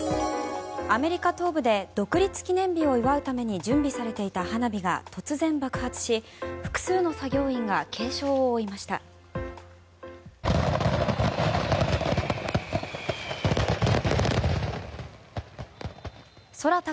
アメリカ東部で独立記念日を祝うために準備されていた花火が突然、爆発し複数の作業員が軽傷を負いました。